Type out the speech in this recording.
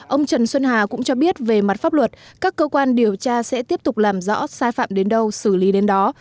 ông trần xuân hà cũng cho biết về mặt pháp luật các cơ quan điều tra sẽ tiếp tục làm rõ sai phạm đến đâu xử lý đến đó